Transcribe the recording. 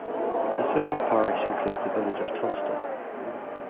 The civil parish includes the village of Tunstall.